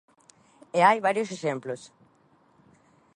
E hai varios exemplos.